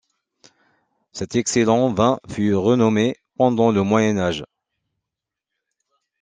Cet excellent vin fut renommé pendant le Moyen Âge.